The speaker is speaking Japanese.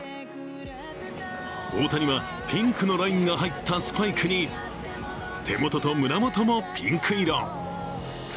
大谷は、ピンクのラインが入ったスパイクに手元と胸元もピンク色。